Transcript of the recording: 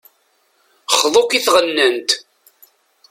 Xḍu-k i tɣennant.